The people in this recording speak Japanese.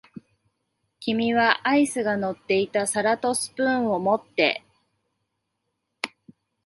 君はアイスが乗っていた皿とスプーンを持って、